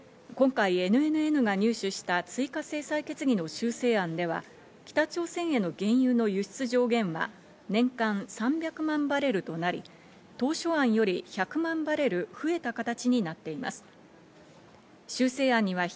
今回、ＮＮＮが入手した追加制裁決議の修正案では、北朝鮮への原油の輸出上限は年間３００万バレルとなり、当初案より１００万バレル増えた形になっています。